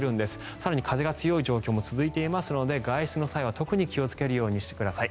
更に風が強い状況も続いていますので外出の際は特に気をつけるようにしてください。